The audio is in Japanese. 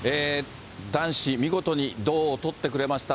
男子、見事に銅をとってくれました。